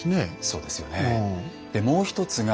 そうですよね。